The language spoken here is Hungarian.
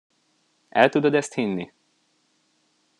El tudod ezt hinni?